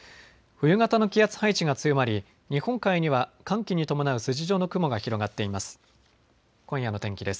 冬型の気圧配置が強まり日本海には寒気に伴う筋状の雲が広がっています。